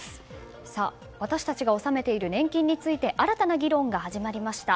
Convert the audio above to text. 私たちが納めている年金について新たな議論が始まりました。